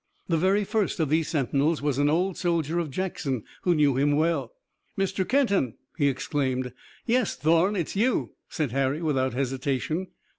The very first of these sentinels was an old soldier of Jackson, who knew him well. "Mr. Kenton!" he exclaimed. "Yes, Thorn! It's you!" said Harry without hesitation.